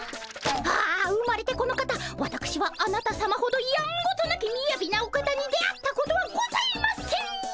ああ生まれてこの方わたくしはあなたさまほどやんごとなきみやびなお方に出会ったことはございません！